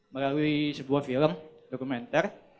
melalui sebuah film dokumenter